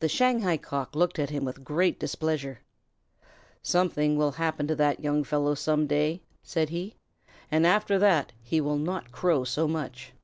The Shanghai Cock looked at him with great displeasure. "Something will happen to that young fellow some day," said he, "and after that he will not crow so much."